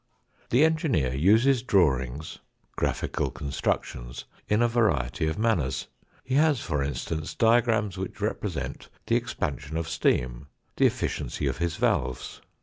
The engineer uses drawings, graphical constructions, in a variety of manners. He has, for instance, diagrams which represent the expansion of steam, the efficiency of his valves.